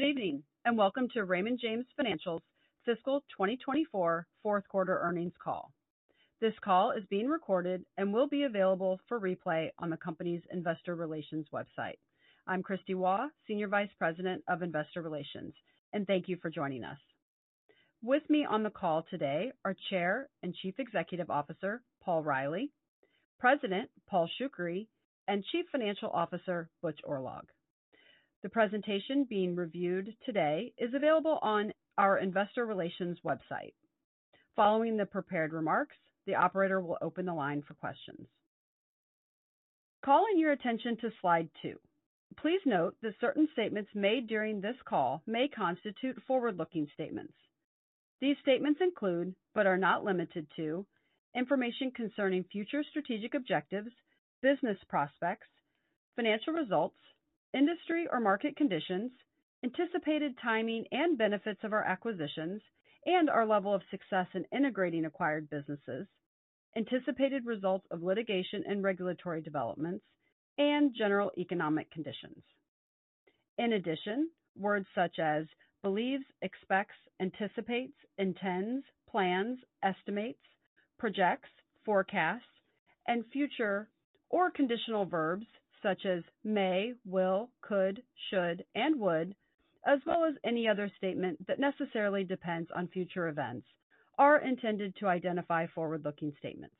Good evening, and welcome to Raymond James Financial's Fiscal 2024 Fourth Quarter Earnings Call. This call is being recorded and will be available for replay on the company's investor relations website. I'm Kristie Waugh, Senior Vice President of Investor Relations, and thank you for joining us. With me on the call today are Chair and Chief Executive Officer, Paul Reilly, President, Paul Shoukry, and Chief Financial Officer, Butch Oorlog. The presentation being reviewed today is available on our investor relations website. Following the prepared remarks, the operator will open the line for questions. Calling your attention to slide two. Please note that certain statements made during this call may constitute forward-looking statements. These statements include, but are not limited to, information concerning future strategic objectives, business prospects, financial results, industry or market conditions, anticipated timing and benefits of our acquisitions, and our level of success in integrating acquired businesses, anticipated results of litigation and regulatory developments, and general economic conditions. In addition, words such as believes, expects, anticipates, intends, plans, estimates, projects, forecasts, and future, or conditional verbs such as may, will, could, should, and would, as well as any other statement that necessarily depends on future events, are intended to identify forward-looking statements.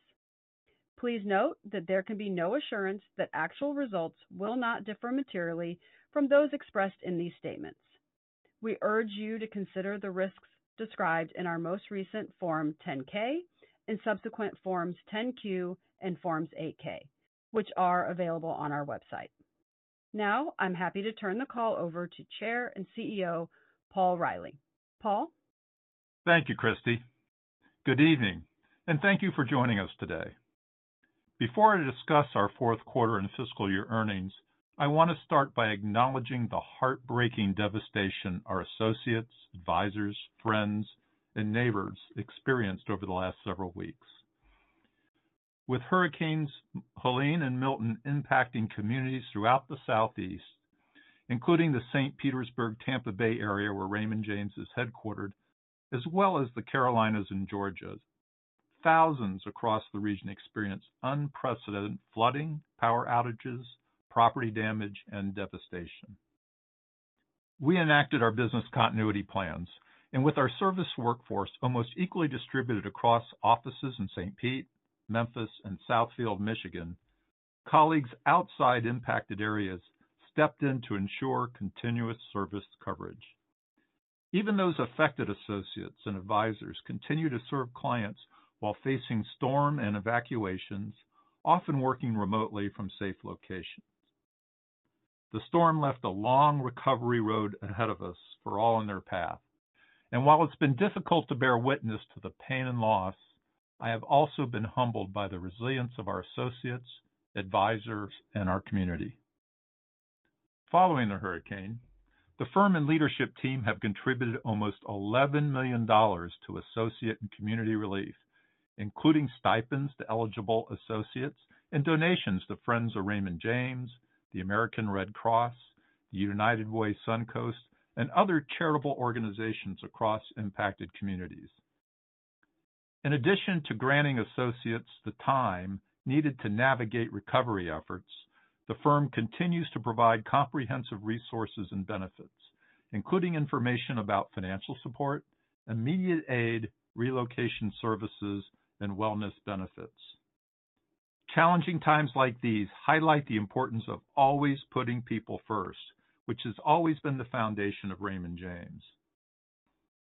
Please note that there can be no assurance that actual results will not differ materially from those expressed in these statements. We urge you to consider the risks described in our most recent Form 10-K and subsequent Forms 10-Q and Forms 8-K, which are available on our website. Now, I'm happy to turn the call over to Chair and CEO, Paul Reilly. Paul? Thank you, Kristie. Good evening, and thank you for joining us today. Before I discuss our fourth quarter and fiscal year earnings, I want to start by acknowledging the heartbreaking devastation our associates, advisors, friends, and neighbors experienced over the last several weeks. With Hurricanes Helene and Milton impacting communities throughout the Southeast, including the St. Petersburg-Tampa Bay area, where Raymond James is headquartered, as well as the Carolinas and Georgia, thousands across the region experienced unprecedented flooding, power outages, property damage, and devastation. We enacted our business continuity plans, and with our service workforce almost equally distributed across offices in St. Pete, Memphis, and Southfield, Michigan, colleagues outside impacted areas stepped in to ensure continuous service coverage. Even those affected associates and advisors continue to serve clients while facing storm and evacuations, often working remotely from safe locations. The storm left a long recovery road ahead of us for all in their path, and while it's been difficult to bear witness to the pain and loss, I have also been humbled by the resilience of our associates, advisors, and our community. Following the hurricane, the firm and leadership team have contributed almost $11 million to associate and community relief, including stipends to eligible associates and donations to Friends of Raymond James, the American Red Cross, the United Way Suncoast, and other charitable organizations across impacted communities. In addition to granting associates the time needed to navigate recovery efforts, the firm continues to provide comprehensive resources and benefits, including information about financial support, immediate aid, relocation services, and wellness benefits. Challenging times like these highlight the importance of always putting people first, which has always been the foundation of Raymond James.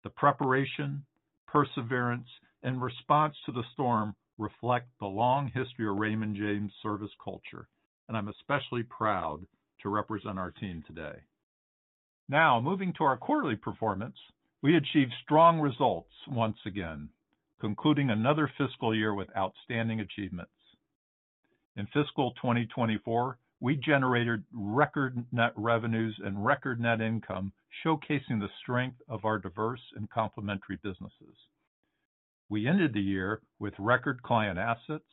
The preparation, perseverance, and response to the storm reflect the long history of Raymond James' service culture, and I'm especially proud to represent our team today. Now, moving to our quarterly performance, we achieved strong results once again, concluding another fiscal year with outstanding achievements. In fiscal 2024, we generated record net revenues and record net income, showcasing the strength of our diverse and complementary businesses. We ended the year with record client assets,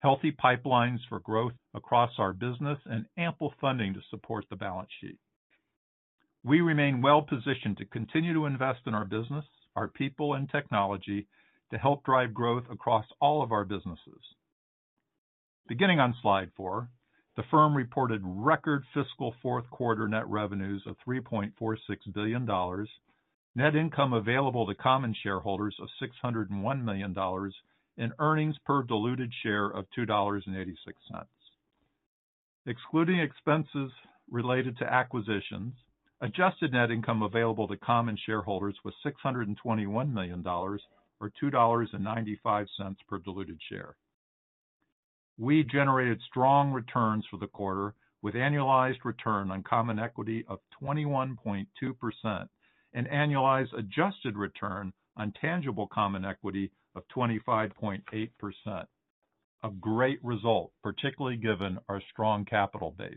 healthy pipelines for growth across our business, and ample funding to support the balance sheet. We remain well positioned to continue to invest in our business, our people, and technology to help drive growth across all of our businesses. Beginning on slide four, the firm reported record fiscal fourth quarter net revenues of $3.46 billion, net income available to common shareholders of $601 million, and earnings per diluted share of $2.86. Excluding expenses related to acquisitions, adjusted net income available to common shareholders was $621 million, or $2.95 per diluted share. We generated strong returns for the quarter, with annualized return on common equity of 21.2% and annualized adjusted return on tangible common equity of 25.8%. A great result, particularly given our strong capital base.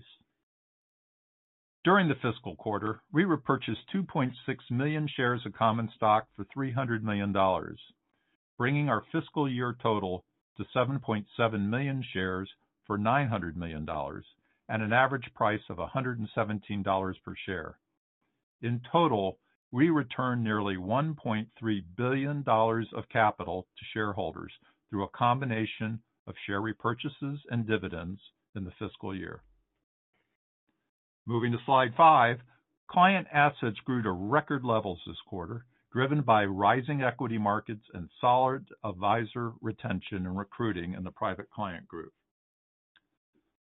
During the fiscal quarter, we repurchased 2.6 million shares of common stock for $300 million.... Bringing our fiscal year total to 7.7 million shares for $900 million, and an average price of $117 per share. In total, we returned nearly $1.3 billion of capital to shareholders through a combination of share repurchases and dividends in the fiscal year. Moving to slide five, client assets grew to record levels this quarter, driven by rising equity markets and solid advisor retention and recruiting in the Private Client Group.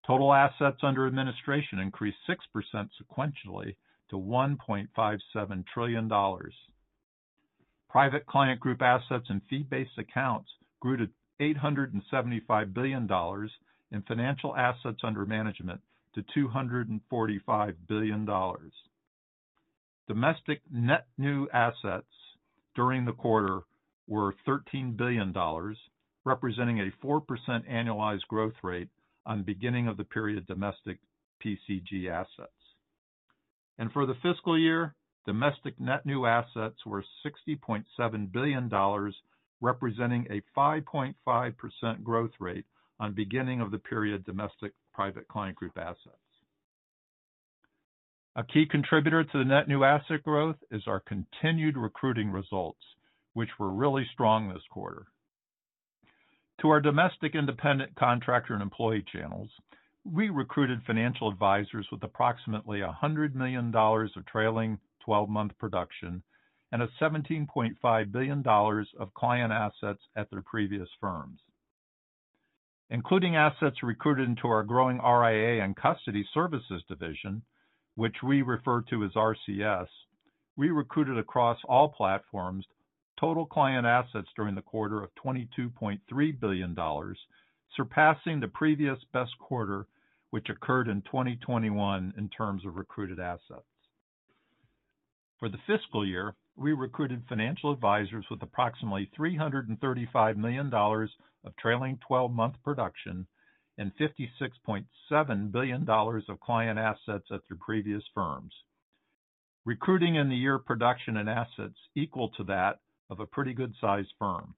Total assets under administration increased 6% sequentially to $1.57 trillion. Private Client Group assets and fee-based accounts grew to $875 billion, and financial assets under management to $245 billion. Domestic net new assets during the quarter were $13 billion, representing a 4% annualized growth rate on beginning of the period domestic PCG assets. For the fiscal year, domestic net new assets were $60.7 billion, representing a 5.5% growth rate on beginning of the period Domestic Private Client Group assets. A key contributor to the net new asset growth is our continued recruiting results, which were really strong this quarter. To our domestic independent contractor and employee channels, we recruited financial advisors with approximately $100 million of trailing 12-month production and $17.5 billion of client assets at their previous firms. Including assets recruited into our growing RIA and Custody Services division, which we refer to as RCS, we recruited across all platforms, total client assets during the quarter of $22.3 billion, surpassing the previous best quarter, which occurred in 2021 in terms of recruited assets. For the fiscal year, we recruited financial advisors with approximately $335 million of trailing 12-month production and $56.7 billion of client assets at their previous firms. Recruiting in the year production and assets equal to that of a pretty good-sized firm.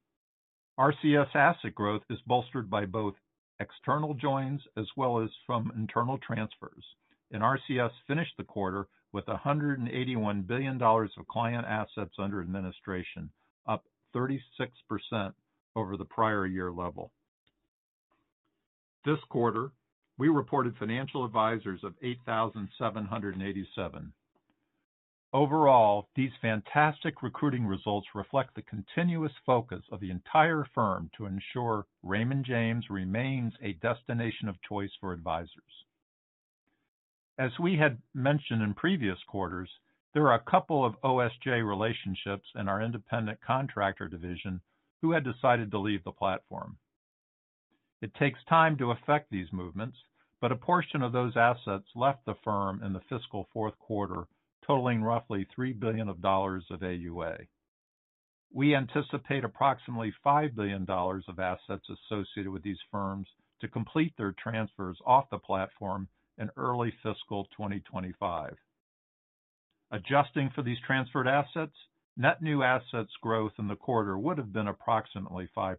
RCS asset growth is bolstered by both external joins as well as from internal transfers. And RCS finished the quarter with $181 billion of client assets under administration, up 36% over the prior year level. This quarter, we reported financial advisors of 8,787. Overall, these fantastic recruiting results reflect the continuous focus of the entire firm to ensure Raymond James remains a destination of choice for advisors. As we had mentioned in previous quarters, there are a couple of OSJ relationships in our independent contractor division who had decided to leave the platform. It takes time to effect these movements, but a portion of those assets left the firm in the fiscal fourth quarter, totaling roughly $3 billion of AUA. We anticipate approximately $5 billion of assets associated with these firms to complete their transfers off the platform in early fiscal 2025. Adjusting for these transferred assets, net new assets growth in the quarter would have been approximately 5%.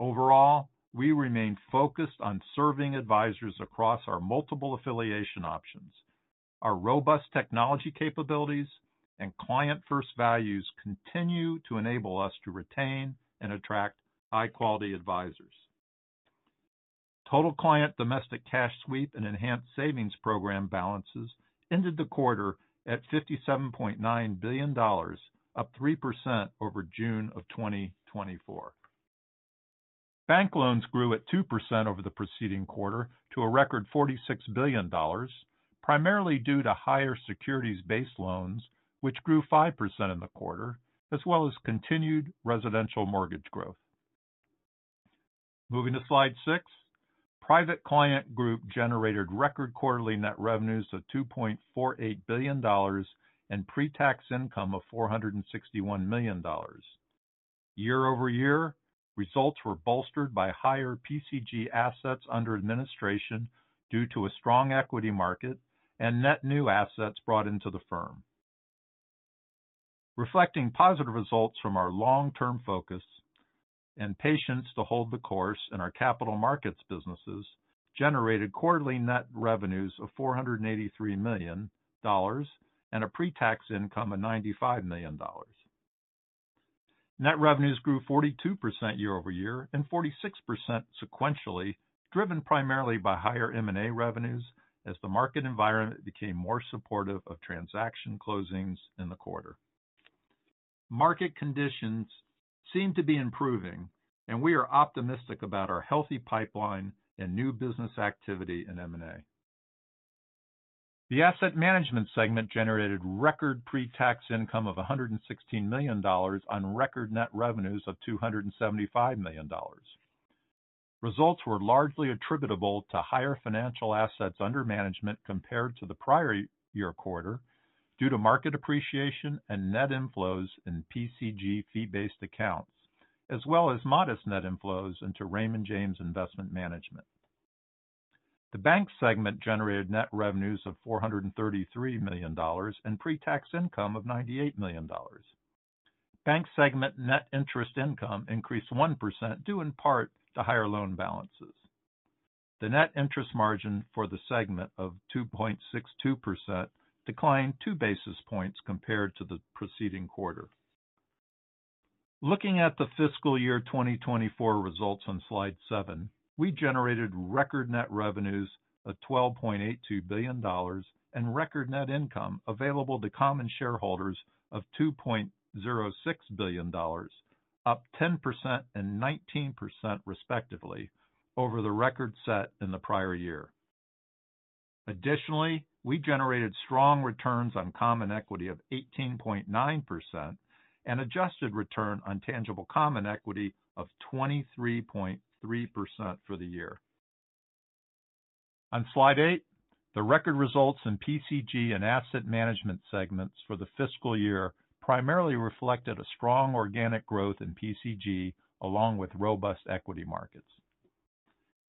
Overall, we remain focused on serving advisors across our multiple affiliation options. Our robust technology capabilities and client-first values continue to enable us to retain and attract high-quality advisors. Total client domestic cash sweep and enhanced savings program balances ended the quarter at $57.9 billion, up 3% over June of 2024. Bank loans grew at 2% over the preceding quarter to a record $46 billion, primarily due to higher securities-based loans, which grew 5% in the quarter, as well as continued residential mortgage growth. Moving to slide six. Private Client Group generated record quarterly net revenues of $2.48 billion and pre-tax income of $461 million. Year-over-year, results were bolstered by higher PCG assets under administration due to a strong equity market and net new assets brought into the firm. Reflecting positive results from our long-term focus and patience to hold the course in our capital markets businesses, generated quarterly net revenues of $483 million and a pre-tax income of $95 million. Net revenues grew 42% year-over-year and 46% sequentially, driven primarily by higher M&A revenues as the market environment became more supportive of transaction closings in the quarter. Market conditions seem to be improving, and we are optimistic about our healthy pipeline and new business activity in M&A. The asset management segment generated record pre-tax income of $116 million on record net revenues of $275 million. Results were largely attributable to higher financial assets under management compared to the prior year quarter, due to market appreciation and net inflows in PCG fee-based accounts, as well as modest net inflows into Raymond James Investment Management. The bank segment generated net revenues of $433 million and pre-tax income of $98 million. Bank segment net interest income increased 1%, due in part to higher loan balances. The net interest margin for the segment of 2.62% declined 2 basis points compared to the preceding quarter. Looking at the fiscal year 2024 results on slide seven, we generated record net revenues of $12.82 billion and record net income available to common shareholders of $2.06 billion, up 10% and 19% respectively over the record set in the prior year. Additionally, we generated strong returns on common equity of 18.9% and adjusted return on tangible common equity of 23.3% for the year. On slide eight, the record results in PCG and Asset Management segments for the fiscal year primarily reflected a strong organic growth in PCG, along with robust equity markets.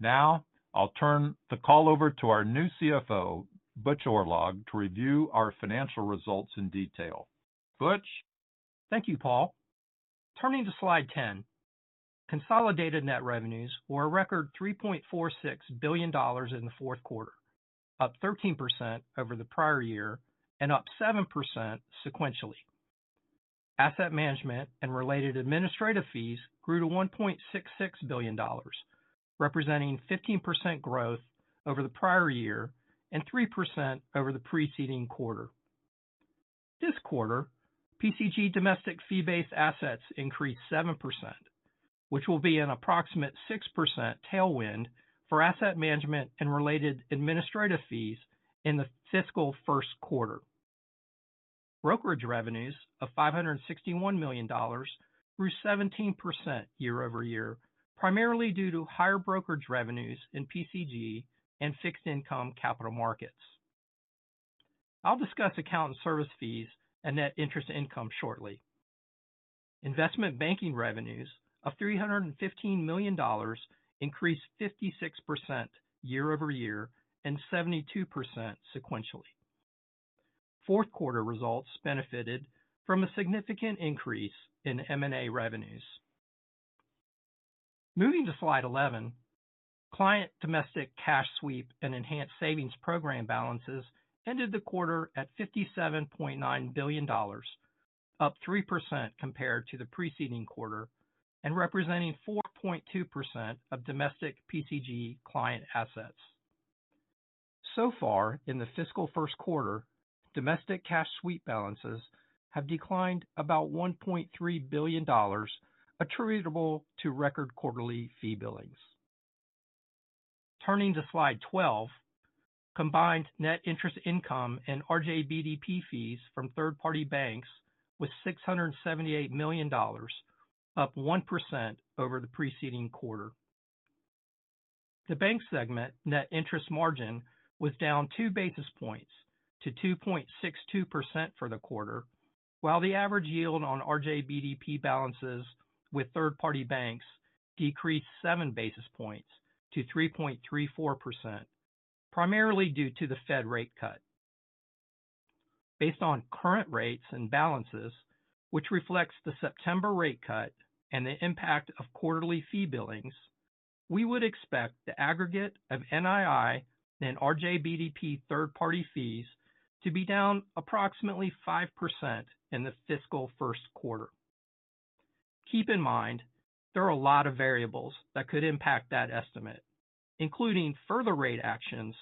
Now, I'll turn the call over to our new CFO, Butch Oorlog, to review our financial results in detail. Butch? Thank you, Paul. Turning to slide 10, consolidated net revenues were a record $3.46 billion in the fourth quarter, up 13% over the prior year and up 7% sequentially. Asset management and related administrative fees grew to $1.66 billion, representing 15% growth over the prior year and 3% over the preceding quarter. This quarter, PCG domestic fee-based assets increased 7%, which will be an approximate 6% tailwind for asset management and related administrative fees in the fiscal first quarter. Brokerage revenues of $561 million grew 17% year-over-year, primarily due to higher brokerage revenues in PCG and fixed income capital markets. I'll discuss account and service fees and net interest income shortly. Investment banking revenues of $315 million increased 56% year-over-year and 72% sequentially. Fourth quarter results benefited from a significant increase in M&A revenues. Moving to slide 11, client domestic cash sweep and enhanced savings program balances ended the quarter at $57.9 billion, up 3% compared to the preceding quarter and representing 4.2% of domestic PCG client assets. So far, in the fiscal first quarter, domestic cash sweep balances have declined about $1.3 billion, attributable to record quarterly fee billings. Turning to slide 12, combined net interest income and RJBDP fees from third-party banks was $678 million, up 1% over the preceding quarter. The bank segment net interest margin was down 2 basis points to 2.62% for the quarter, while the average yield on RJBDP balances with third-party banks decreased 7 basis points to 3.34%, primarily due to the Fed rate cut. Based on current rates and balances, which reflects the September rate cut and the impact of quarterly fee billings, we would expect the aggregate of NII and RJBDP third-party fees to be down approximately 5% in the fiscal first quarter. Keep in mind, there are a lot of variables that could impact that estimate, including further rate actions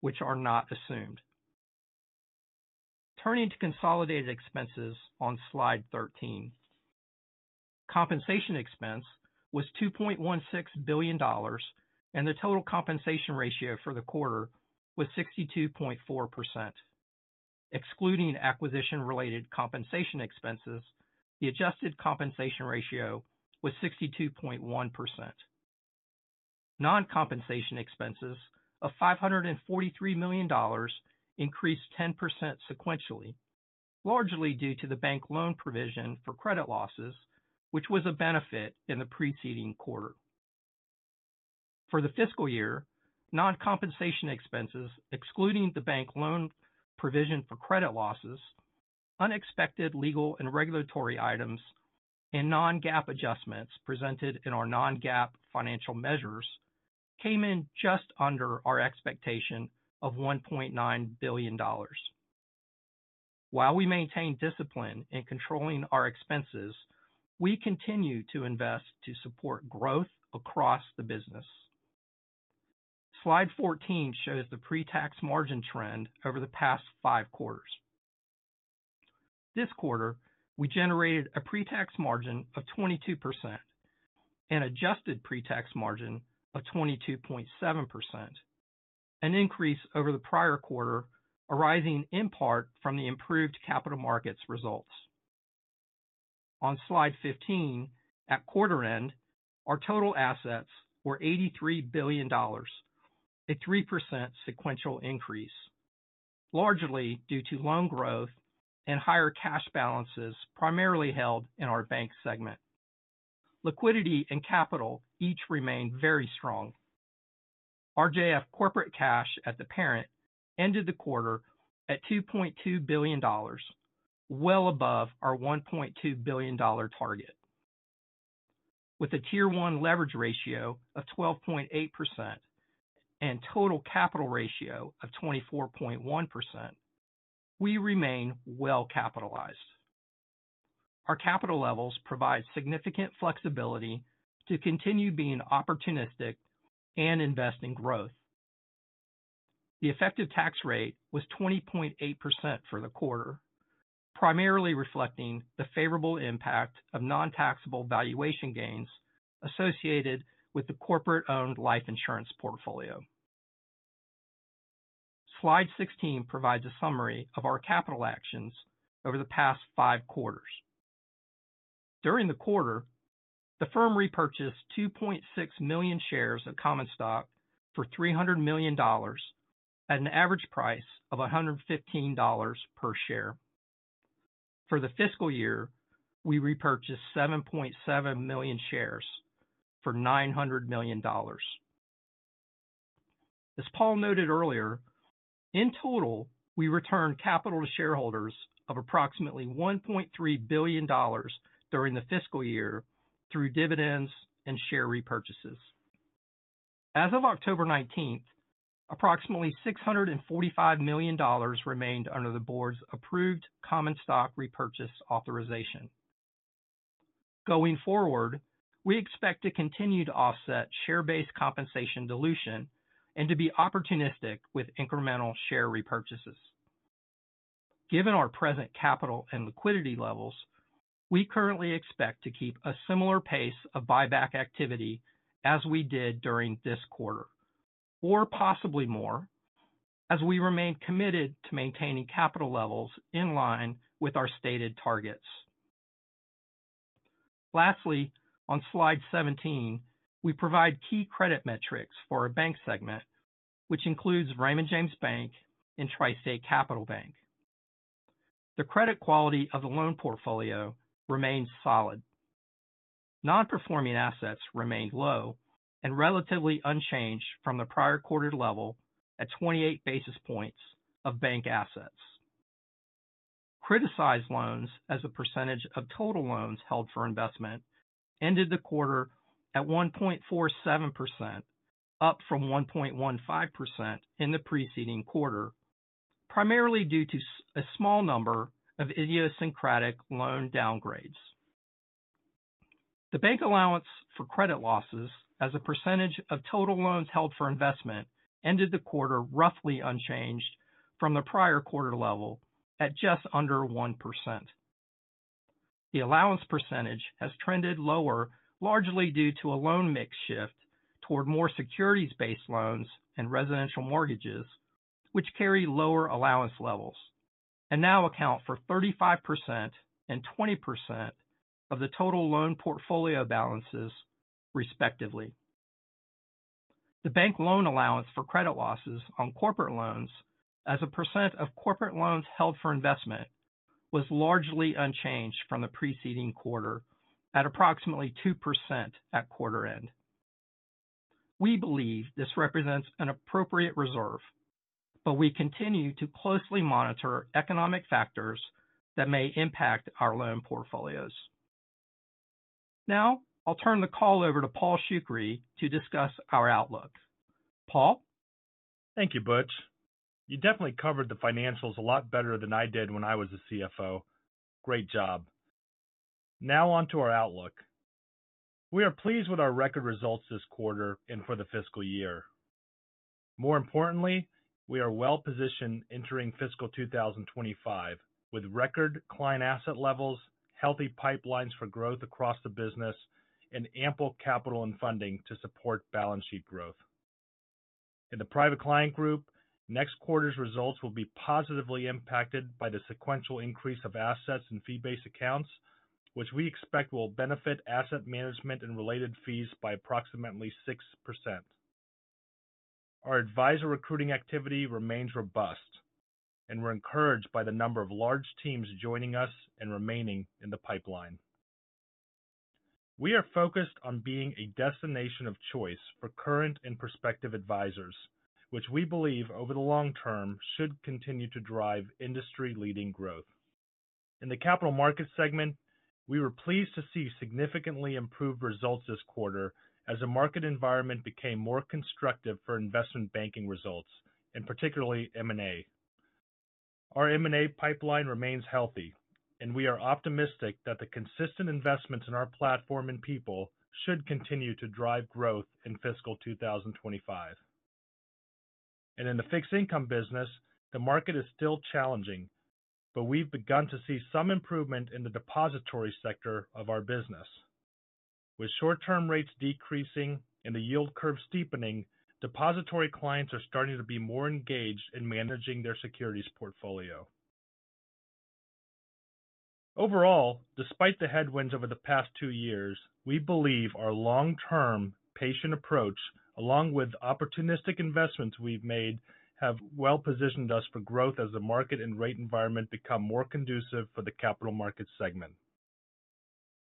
which are not assumed. Turning to consolidated expenses on slide 13. Compensation expense was $2.16 billion, and the total compensation ratio for the quarter was 62.4%. Excluding acquisition-related compensation expenses, the adjusted compensation ratio was 62.1%. Non-compensation expenses of $543 million increased 10% sequentially, largely due to the bank loan provision for credit losses, which was a benefit in the preceding quarter. For the fiscal year, non-compensation expenses, excluding the bank loan provision for credit losses, unexpected legal and regulatory items, and non-GAAP adjustments presented in our non-GAAP financial measures, came in just under our expectation of $1.9 billion. While we maintain discipline in controlling our expenses, we continue to invest to support growth across the business. Slide 14 shows the pre-tax margin trend over the past five quarters. This quarter, we generated a pre-tax margin of 22% and adjusted pre-tax margin of 22.7%, an increase over the prior quarter, arising in part from the improved capital markets results. On Slide 15, at quarter end, our total assets were $83 billion, a 3% sequential increase, largely due to loan growth and higher cash balances, primarily held in our bank segment. Liquidity and capital each remain very strong. RJF corporate cash at the parent ended the quarter at $2.2 billion, well above our $1.2 billion target. With a Tier 1 leverage ratio of 12.8% and total capital ratio of 24.1%, we remain well capitalized. Our capital levels provide significant flexibility to continue being opportunistic and invest in growth. The effective tax rate was 20.8% for the quarter, primarily reflecting the favorable impact of non-taxable valuation gains associated with the corporate-owned life insurance portfolio. Slide 16 provides a summary of our capital actions over the past five quarters. During the quarter, the firm repurchased 2.6 million shares of common stock for $300 million at an average price of $115 per share. For the fiscal year, we repurchased 7.7 million shares for $900 million. As Paul noted earlier, in total, we returned capital to shareholders of approximately $1.3 billion during the fiscal year through dividends and share repurchases. As of October 19th, approximately $645 million remained under the board's approved common stock repurchase authorization. Going forward, we expect to continue to offset share-based compensation dilution and to be opportunistic with incremental share repurchases. Given our present capital and liquidity levels, we currently expect to keep a similar pace of buyback activity as we did during this quarter, or possibly more, as we remain committed to maintaining capital levels in line with our stated targets. Lastly, on slide 17, we provide key credit metrics for our bank segment, which includes Raymond James Bank and TriState Capital Bank. The credit quality of the loan portfolio remains solid. Non-performing assets remained low and relatively unchanged from the prior quarter level at 28 basis points of bank assets. Criticized loans, as a percentage of total loans held for investment, ended the quarter at 1.47%, up from 1.15% in the preceding quarter, primarily due to a small number of idiosyncratic loan downgrades. The bank allowance for credit losses, as a percentage of total loans held for investment, ended the quarter roughly unchanged from the prior quarter level at just under 1%. The allowance percentage has trended lower, largely due to a loan mix shift toward more securities-based loans and residential mortgages, which carry lower allowance levels and now account for 35% and 20% of the total loan portfolio balances, respectively. The bank loan allowance for credit losses on corporate loans, as a percent of corporate loans held for investment, was largely unchanged from the preceding quarter at approximately 2% at quarter end. We believe this represents an appropriate reserve, but we continue to closely monitor economic factors that may impact our loan portfolios. Now, I'll turn the call over to Paul Shoukry to discuss our outlook. Paul? Thank you, Butch. You definitely covered the financials a lot better than I did when I was the CFO. Great job! Now on to our outlook. We are pleased with our record results this quarter and for the fiscal year. More importantly, we are well positioned entering fiscal 2025, with record client asset levels, healthy pipelines for growth across the business, and ample capital and funding to support balance sheet growth. In the Private Client Group, next quarter's results will be positively impacted by the sequential increase of assets and fee-based accounts, which we expect will benefit asset management and related fees by approximately 6%. Our advisor recruiting activity remains robust, and we're encouraged by the number of large teams joining us and remaining in the pipeline. We are focused on being a destination of choice for current and prospective advisors, which we believe, over the long term, should continue to drive industry-leading growth. In the Capital Markets segment, we were pleased to see significantly improved results this quarter as the market environment became more constructive for investment banking results and particularly M&A. Our M&A pipeline remains healthy, and we are optimistic that the consistent investments in our platform and people should continue to drive growth in fiscal 2025. In the fixed income business, the market is still challenging, but we've begun to see some improvement in the depository sector of our business. With short-term rates decreasing and the yield curve steepening, depository clients are starting to be more engaged in managing their securities portfolio. Overall, despite the headwinds over the past two years, we believe our long-term, patient approach, along with opportunistic investments we've made, have well positioned us for growth as the market and rate environment become more conducive for the Capital Markets segment.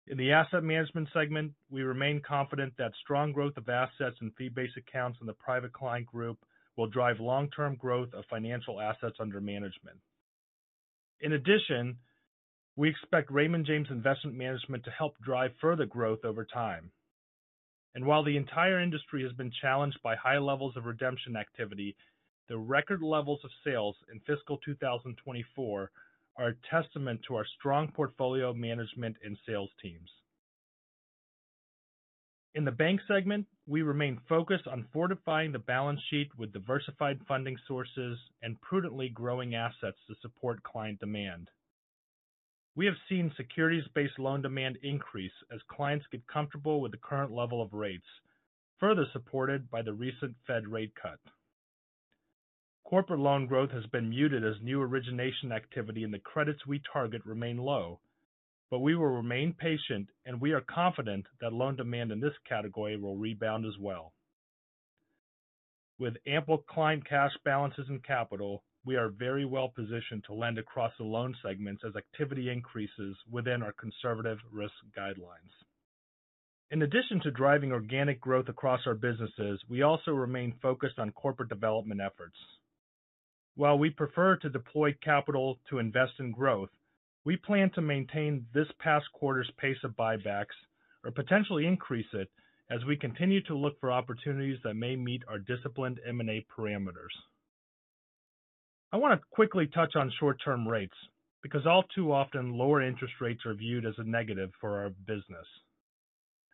In the asset management segment, we remain confident that strong growth of assets and fee-based accounts in the Private Client Group will drive long-term growth of Financial assets under management. In addition, we expect Raymond James Investment Management to help drive further growth over time, and while the entire industry has been challenged by high levels of redemption activity, the record levels of sales in fiscal 2024 are a testament to our strong portfolio management and sales teams. In the bank segment, we remain focused on fortifying the balance sheet with diversified funding sources and prudently growing assets to support client demand. We have seen securities-based loan demand increase as clients get comfortable with the current level of rates, further supported by the recent Fed rate cut. Corporate loan growth has been muted as new origination activity in the credits we target remain low, but we will remain patient, and we are confident that loan demand in this category will rebound as well. With ample client cash balances and capital, we are very well positioned to lend across the loan segments as activity increases within our conservative risk guidelines. In addition to driving organic growth across our businesses, we also remain focused on corporate development efforts. While we prefer to deploy capital to invest in growth, we plan to maintain this past quarter's pace of buybacks or potentially increase it, as we continue to look for opportunities that may meet our disciplined M&A parameters. I want to quickly touch on short-term rates, because all too often, lower interest rates are viewed as a negative for our business.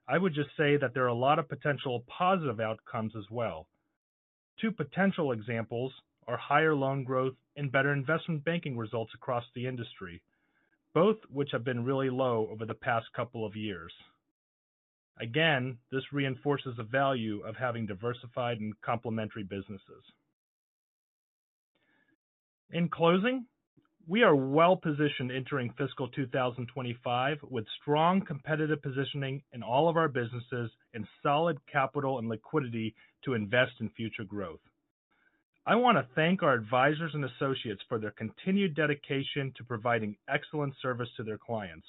I would just say that there are a lot of potential positive outcomes as well. Two potential examples are higher loan growth and better investment banking results across the industry, both which have been really low over the past couple of years. Again, this reinforces the value of having diversified and complementary businesses. In closing, we are well positioned entering fiscal 2025, with strong competitive positioning in all of our businesses and solid capital and liquidity to invest in future growth. I want to thank our advisors and associates for their continued dedication to providing excellent service to their clients.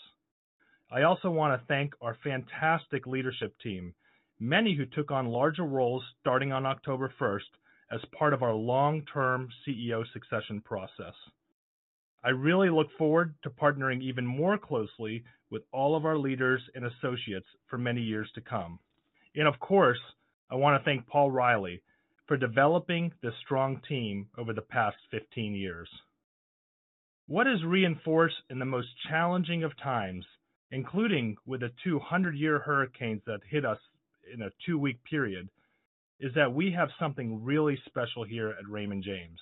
I also want to thank our fantastic leadership team, many who took on larger roles starting on October first, as part of our long-term CEO succession process. I really look forward to partnering even more closely with all of our leaders and associates for many years to come. And of course, I want to thank Paul Reilly for developing this strong team over the past 15 years. What is reinforced in the most challenging of times, including with the 200-year hurricanes that hit us in a two-week period, is that we have something really special here at Raymond James.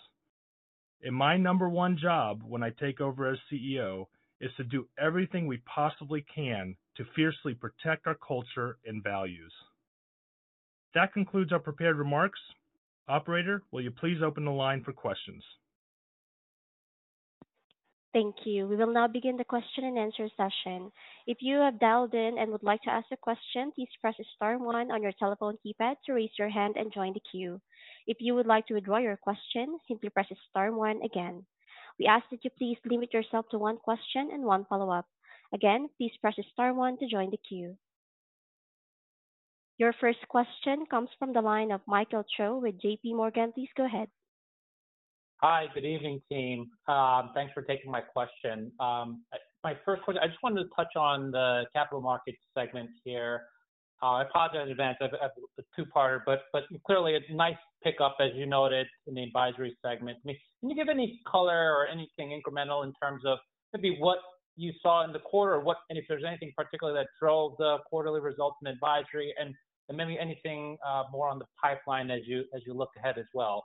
And my number one job when I take over as CEO is to do everything we possibly can to fiercely protect our culture and values. That concludes our prepared remarks. Operator, will you please open the line for questions? Thank you. We will now begin the question-and-answer session. If you have dialed in and would like to ask a question, please press star one on your telephone keypad to raise your hand and join the queue. If you would like to withdraw your question, simply press star one again. We ask that you please limit yourself to one question and one follow-up. Again, please press star one to join the queue. Your first question comes from the line of Michael Cho with JPMorgan. Please go ahead. Hi. Good evening, team. Thanks for taking my question. My first question, I just wanted to touch on the Capital Markets segment here. I apologize in advance, I have a two-parter, but clearly a nice pickup, as you noted, in the advisory segment. Can you give any color or anything incremental in terms of maybe what you saw in the quarter or what and if there's anything particular that drove the quarterly results in advisory and maybe anything more on the pipeline as you look ahead as well?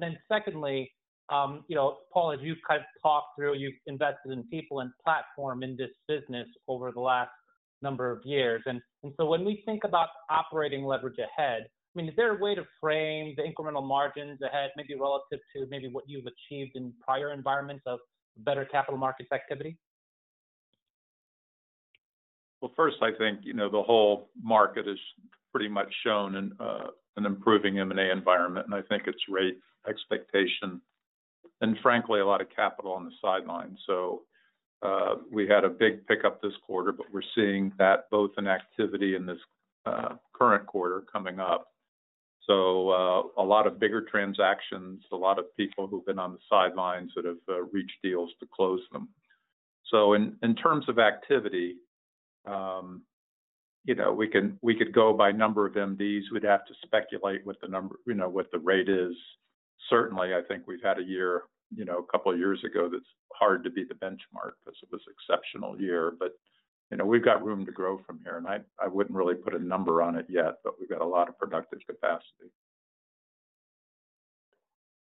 Then secondly, you know, Paul, as you've kind of talked through, you've invested in people and platform in this business over the last number of years. So when we think about operating leverage ahead, I mean, is there a way to frame the incremental margins ahead, maybe relative to what you've achieved in prior environments of better capital markets activity? First, I think, you know, the whole market has pretty much shown an improving M&A environment, and I think it's rate expectation and frankly, a lot of capital on the sidelines. We had a big pickup this quarter, but we're seeing that both in activity in this current quarter coming up. A lot of bigger transactions, a lot of people who've been on the sidelines that have reached deals to close them. In terms of activity, you know, we could go by number of MDs. We'd have to speculate what the number, you know, what the rate is. Certainly, I think we've had a year, you know, a couple of years ago, that's hard to beat the benchmark because it was exceptional year. But, you know, we've got room to grow from here, and I, I wouldn't really put a number on it yet, but we've got a lot of productive capacity.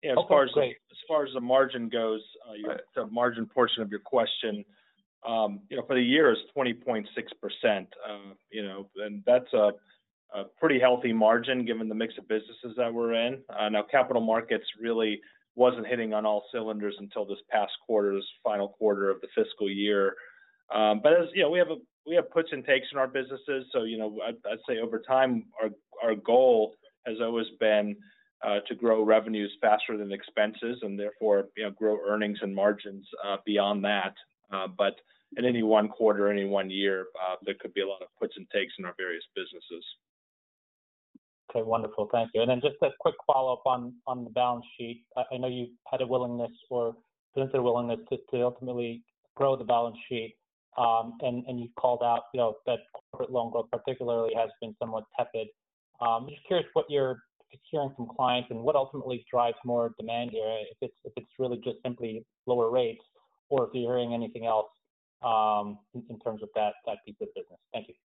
Okay, great. As far as the margin goes, Go ahead... the margin portion of your question. You know, for the year, it's 20.6%. You know, and that's a, a pretty healthy margin given the mix of businesses that we're in. Now, Capital Markets really wasn't hitting on all cylinders until this past quarter's final quarter of the fiscal year. But as you know, we have a-- we have puts and takes in our businesses. So, you know, I'd, I'd say over time, our, our goal has always been, to grow revenues faster than expenses and therefore, you know, grow earnings and margins, beyond that. But in any one quarter, any one year, there could be a lot of puts and takes in our various businesses. Okay, wonderful. Thank you, and then just a quick follow-up on the balance sheet. I know there's a willingness to ultimately grow the balance sheet, and you've called out, you know, that corporate loan growth particularly has been somewhat tepid. Just curious what you're hearing from clients and what ultimately drives more demand here, if it's really just simply lower rates, or if you're hearing anything else, in terms of that piece of business. Thank you.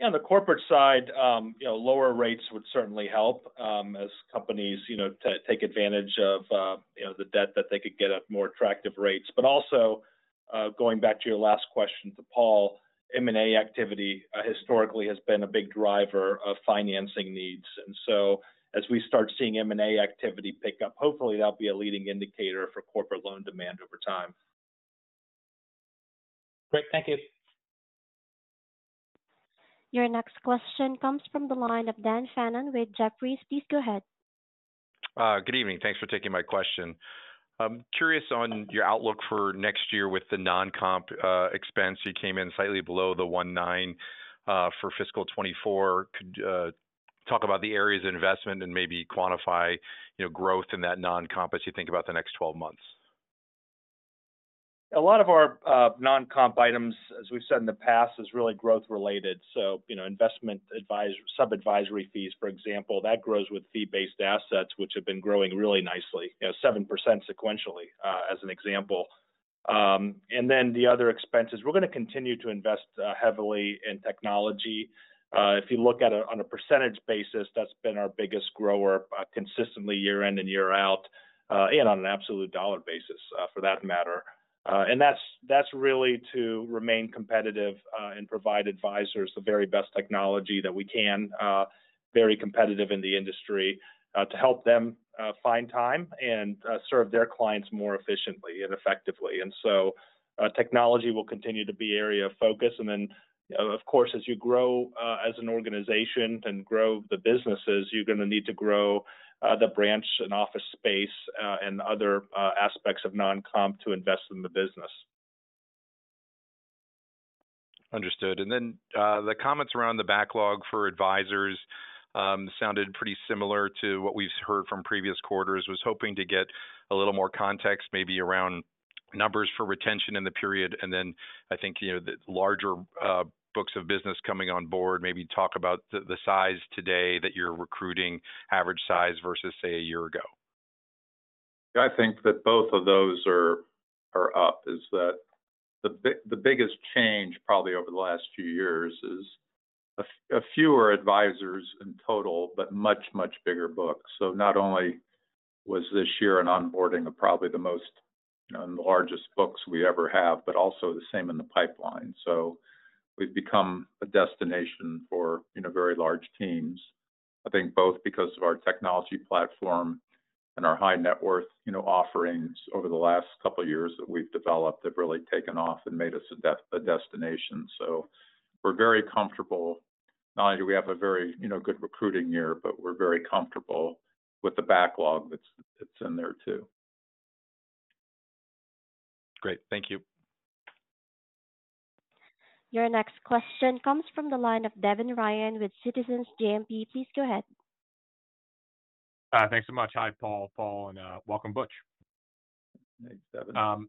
Yeah, on the corporate side, you know, lower rates would certainly help as companies you know to take advantage of you know the debt that they could get at more attractive rates. But also, going back to your last question to Paul, M&A activity historically has been a big driver of financing needs, and so as we start seeing M&A activity pick up, hopefully that'll be a leading indicator for corporate loan demand over time. Great. Thank you. Your next question comes from the line of Dan Fannon with Jefferies. Please go ahead. Good evening. Thanks for taking my question. I'm curious on your outlook for next year with the non-comp expense. You came in slightly below the 19% for fiscal 2024. Could talk about the areas of investment and maybe quantify, you know, growth in that non-comp as you think about the next 12 months? A lot of our non-comp items, as we've said in the past, is really growth related. So, you know, investment sub-advisory fees, for example, that grows with fee-based assets, which have been growing really nicely, you know, 7% sequentially, as an example. And then the other expenses. We're going to continue to invest heavily in technology. If you look at it on a percentage basis, that's been our biggest grower consistently year in and year out, and on an absolute dollar basis, for that matter. And that's really to remain competitive and provide advisors the very best technology that we can, very competitive in the industry, to help them find time and serve their clients more efficiently and effectively. And so, technology will continue to be an area of focus. And then, of course, as you grow, as an organization and grow the businesses, you're going to need to grow, the branch and office space, and other, aspects of non-comp to invest in the business. Understood. And then, the comments around the backlog for advisors sounded pretty similar to what we've heard from previous quarters. Was hoping to get a little more context, maybe around numbers for retention in the period. And then I think, you know, the larger books of business coming on board, maybe talk about the size today that you're recruiting, average size versus, say, a year ago. I think that both of those are up. The biggest change, probably over the last few years, is a fewer advisors in total, but much, much bigger books. So not only was this year an onboarding of probably the most, you know, and the largest books we ever have, but also the same in the pipeline. So we've become a destination for, you know, very large teams. I think both because of our technology platform and our high net worth, you know, offerings over the last couple of years that we've developed, have really taken off and made us a destination. So we're very comfortable. Not only do we have a very, you know, good recruiting year, but we're very comfortable with the backlog that's in there, too. Great. Thank you. Your next question comes from the line of Devin Ryan with Citizens JMP. Please go ahead. Thanks so much. Hi, Paul, Paul, and welcome, Butch. Thanks, Devin.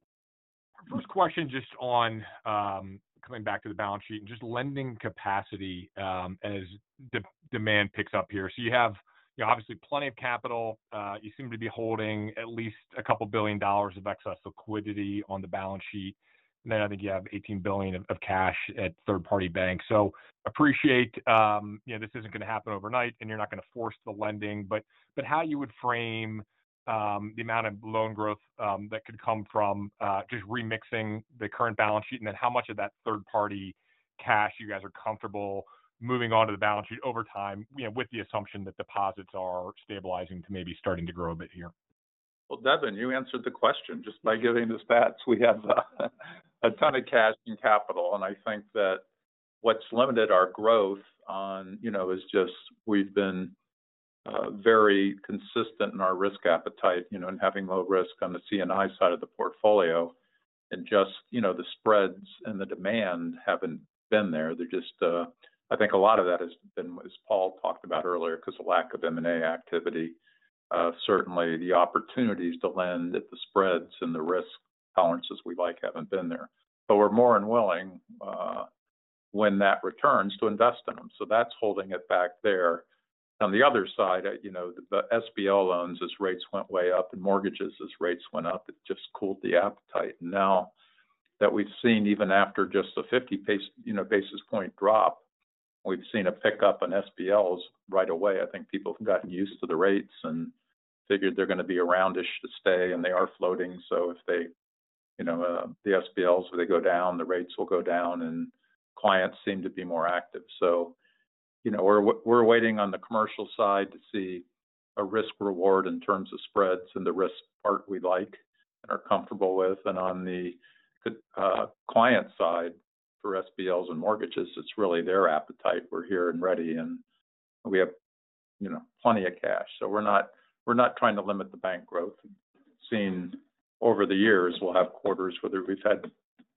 First question, just on coming back to the balance sheet and just lending capacity, as demand picks up here. So you have, you know, obviously plenty of capital. You seem to be holding at least a couple billion dollars of excess liquidity on the balance sheet. And then I think you have $18 billion of cash at third-party banks. So appreciate, you know, this isn't going to happen overnight, and you're not going to force the lending, but how you would frame the amount of loan growth that could come from just remixing the current balance sheet. And then how much of that third-party cash you guys are comfortable moving on to the balance sheet over time, you know, with the assumption that deposits are stabilizing to maybe starting to grow a bit here? Devin, you answered the question just by giving the stats. We have a ton of cash and capital, and I think that what's limited our growth on, you know, is just we've been very consistent in our risk appetite, you know, and having low risk on the C&I side of the portfolio. And just, you know, the spreads and the demand haven't been there. They're just... I think a lot of that has been, as Paul talked about earlier, because of lack of M&A activity. Certainly the opportunities to lend at the spreads and the risk tolerances we like, haven't been there. But we're more than willing when that returns, to invest in them, so that's holding it back there. On the other side, you know, the SBL loans, as rates went way up, and mortgages as rates went up, it just cooled the appetite. Now that we've seen even after just the 50 basis point drop, you know, we've seen a pickup in SBLs right away. I think people have gotten used to the rates and figured they're going to be around-ish to stay, and they are floating. So if they, you know, the SBLs, they go down, the rates will go down, and clients seem to be more active. So, you know, we're waiting on the commercial side to see a risk reward in terms of spreads and the risk part we like and are comfortable with. And on the client side, for SBLs and mortgages, it's really their appetite. We're here and ready, and we have plenty of cash. So we're not, we're not trying to limit the bank growth. We've seen over the years, we'll have quarters where we've had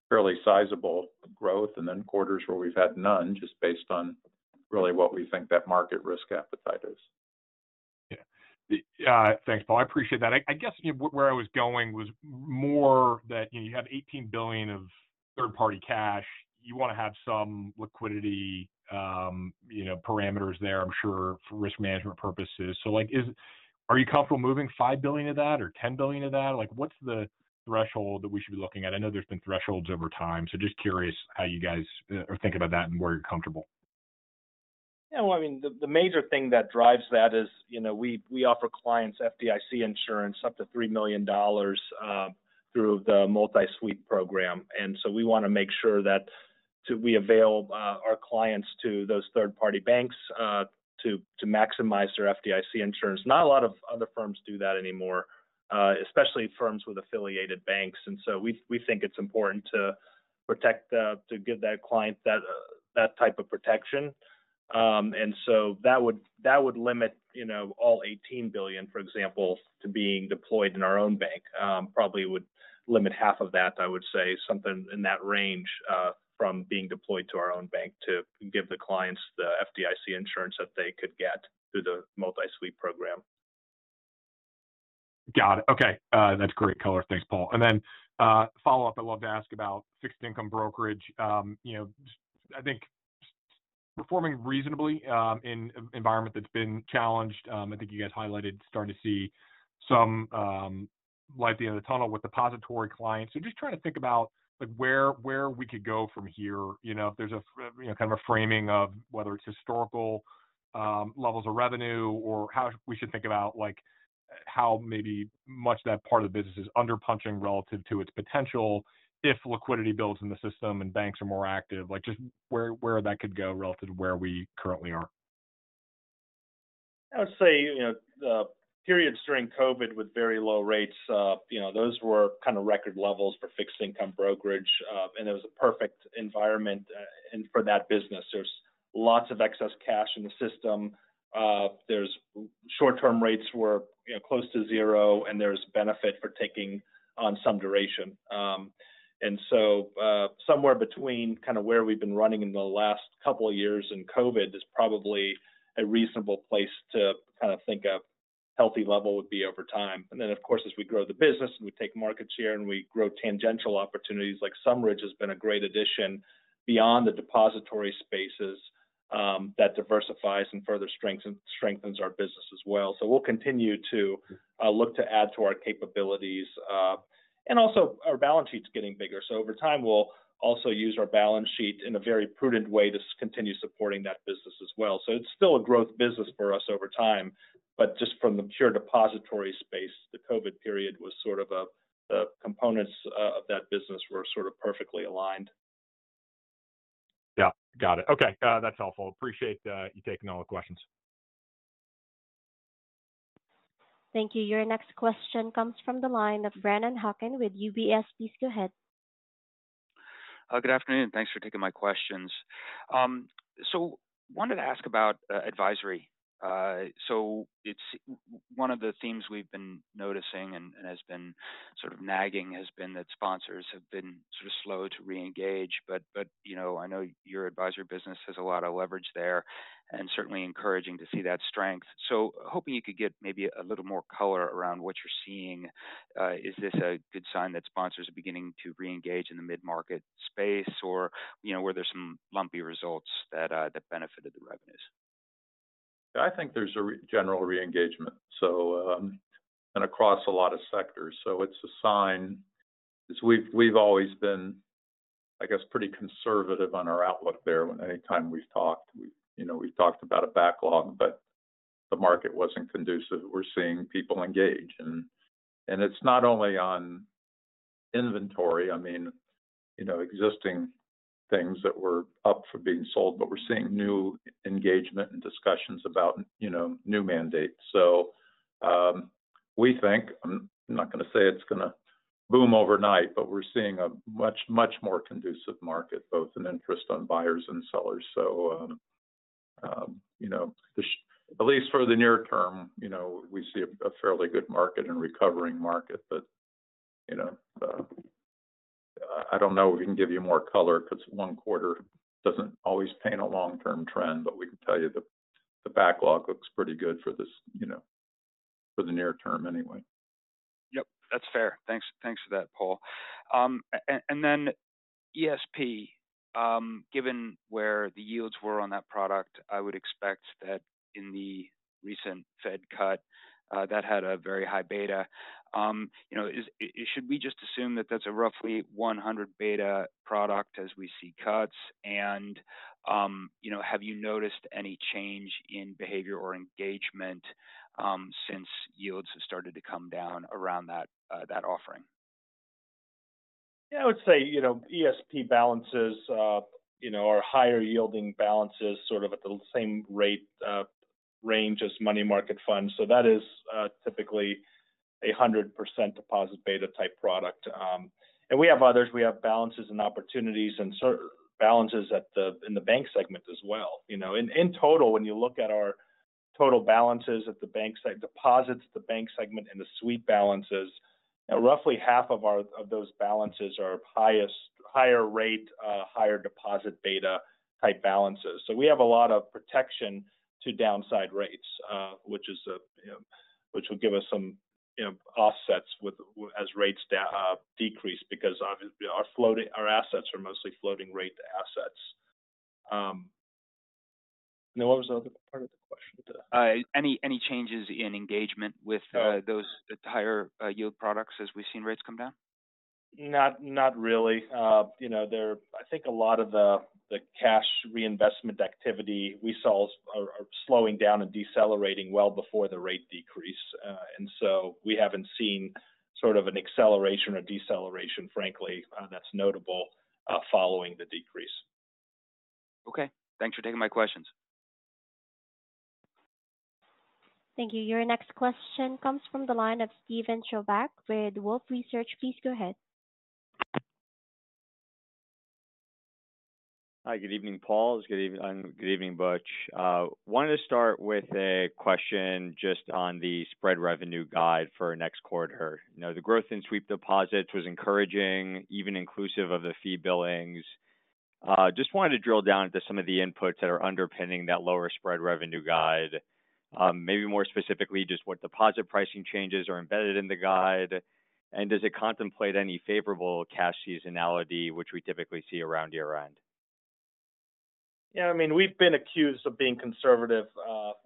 fairly sizable growth, and then quarters where we've had none, just based on really what we think that market risk appetite is. Yeah. Thanks, Paul, I appreciate that. I guess, you know, where I was going was more that, you know, you have $18 billion of third-party cash. You wanna have some liquidity, you know, parameters there, I'm sure, for risk management purposes. So, like, are you comfortable moving $5 billion of that or $10 billion of that? Like, what's the threshold that we should be looking at? I know there's been thresholds over time, so just curious how you guys are thinking about that and where you're comfortable. Yeah, well, I mean, the major thing that drives that is, you know, we offer clients FDIC insurance up to $3 million through the multi-sweep program. And so we wanna make sure that we avail our clients of those third-party banks to maximize their FDIC insurance. Not a lot of other firms do that anymore, especially firms with affiliated banks. And so we think it's important to protect, to give that client that type of protection. And so that would limit, you know, all $18 billion, for example, to being deployed in our own bank. Probably would limit half of that, I would say, something in that range from being deployed to our own bank to give the clients the FDIC insurance that they could get through the multi-sweep program. Got it. Okay, that's great color. Thanks, Paul. And then, follow-up, I'd love to ask about fixed-income brokerage. You know, just I think performing reasonably, in an environment that's been challenged. I think you guys highlighted starting to see some, light at the end of the tunnel with depository clients. So just trying to think about, like, where, where we could go from here, you know. If there's a, you know, kind of a framing of whether it's historical, levels of revenue, or how we should think about, like, how maybe much that part of the business is under-punching relative to its potential if liquidity builds in the system and banks are more active. Like, just where, where that could go relative to where we currently are. I would say, you know, the periods during COVID with very low rates, you know, those were kind of record levels for fixed-income brokerage. It was a perfect environment and for that business. There's lots of excess cash in the system. Short-term rates were, you know, close to zero, and there's benefit for taking on some duration. Somewhere between kind of where we've been running in the last couple of years in COVID is probably a reasonable place to kind of think a healthy level would be over time. Then, of course, as we grow the business and we take market share and we grow tangential opportunities, like SumRidge has been a great addition beyond the depository spaces, that diversifies and further strengthens our business as well. So we'll continue to look to add to our capabilities. And also, our balance sheet's getting bigger, so over time, we'll also use our balance sheet in a very prudent way to continue supporting that business as well. So it's still a growth business for us over time, but just from the pure depository space, the COVID period was sort of a components of that business were sort of perfectly aligned. Yeah, got it. Okay, that's helpful. Appreciate you taking all the questions. Thank you. Your next question comes from the line of Brennan Hawken with UBS. Please go ahead. Good afternoon, thanks for taking my questions. So wanted to ask about advisory. So it's one of the themes we've been noticing and has been sort of nagging, has been that sponsors have been sort of slow to reengage. But you know, I know your advisory business has a lot of leverage there, and certainly encouraging to see that strength. So hoping you could give maybe a little more color around what you're seeing. Is this a good sign that sponsors are beginning to reengage in the mid-market space? Or, you know, were there some lumpy results that benefited the revenues? I think there's a general reengagement, so, and across a lot of sectors, so it's a sign. So we've always been, I guess, pretty conservative on our outlook there. Anytime we've talked, we, you know, we've talked about a backlog, but the market wasn't conducive. We're seeing people engage. And it's not only on inventory, I mean, you know, existing things that were up for being sold, but we're seeing new engagement and discussions about, you know, new mandates. So, we think, I'm not gonna say it's gonna boom overnight, but we're seeing a much, much more conducive market, both in interest on buyers and sellers. So, you know, at least for the near term, you know, we see a fairly good market and recovering market. But, you know, I don't know if we can give you more color because one quarter doesn't always paint a long-term trend. But we can tell you the backlog looks pretty good for this, you know, for the near term anyway. Yep, that's fair. Thanks, thanks for that, Paul. And then ESP, given where the yields were on that product, I would expect that in the recent Fed cut, that had a very high beta. You know, should we just assume that that's a roughly 100 beta product as we see cuts? And, you know, have you noticed any change in behavior or engagement, since yields have started to come down around that, that offering? Yeah, I would say, you know, ESP balances, you know, are higher-yielding balances, sort of at the same rate range as money market funds. So that is typically 100% deposit beta type product. And we have others, we have balances and opportunities and certain balances in the bank segment as well. You know, in total, when you look at our total balances at the bank side, deposits at the bank segment and the sweep balances, roughly half of those balances are higher rate higher deposit beta type balances. So we have a lot of protection to downside rates, which is you know, which will give us some you know, offsets with as rates do decrease because obviously our floating our assets are mostly floating rate assets. Now what was the other part of the question? Any changes in engagement with- Oh... those higher yield products as we've seen rates come down? Not really. You know, there, I think a lot of the cash reinvestment activity we saw are slowing down and decelerating well before the rate decrease. And so we haven't seen sort of an acceleration or deceleration, frankly, that's notable following the decrease. Okay, thanks for taking my questions. Thank you. Your next question comes from the line of Steven Chubak with Wolfe Research. Please go ahead. Hi, good evening, Paul. Good evening, Butch. Wanted to start with a question just on the spread revenue guide for next quarter. You know, the growth in sweep deposits was encouraging, even inclusive of the fee billings. Just wanted to drill down into some of the inputs that are underpinning that lower spread revenue guide. Maybe more specifically, just what deposit pricing changes are embedded in the guide, and does it contemplate any favorable cash seasonality, which we typically see around year-end? Yeah, I mean, we've been accused of being conservative